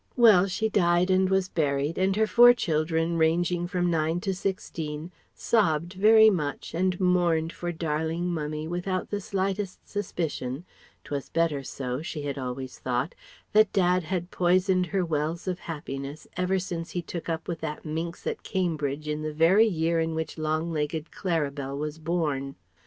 Well: she died and was buried, and her four children, ranging from nine to sixteen, sobbed very much and mourned for darling Mummie without the slightest suspicion ("'twas better so," she had always thought) that Dad had poisoned her wells of happiness ever since he took up with that minx at Cambridge in the very year in which long legged Claribel was born.